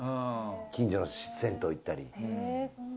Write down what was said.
近所の銭湯行ったり。